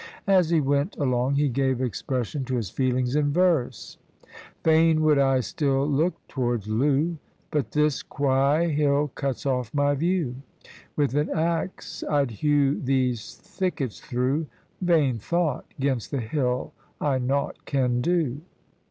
As he went along, he gave expression to his feelings in verse :— Fain would I still look towards Loo, But this Kwei hill cuts o£f my view. With an axe, I'd hew these thickets through: — Vain thought! 'gainst the hill I naught can do.